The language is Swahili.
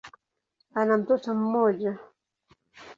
Ana mtoto mmoja.